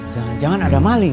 jangan jangan ada maling